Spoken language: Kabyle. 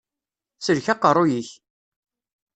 Sellek aqeṛṛuy-ik!